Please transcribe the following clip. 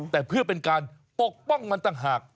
แต่เพื่อเป็นการปกป้องมันต่างหาก